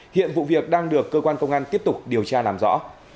hiện vụ việc đang được cơ quan công an tiếp tục điều tra làm rõ